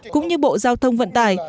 cũng như bộ giao thông vận tải